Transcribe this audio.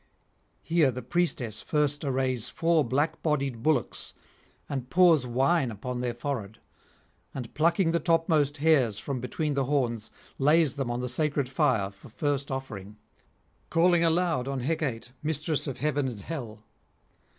Here the priestess first arrays four black bodied bullocks and pours wine upon their forehead; and plucking the topmost hairs from between the horns, lays them on the sacred fire for first offering, calling aloud on Hecate, mistress of heaven and hell.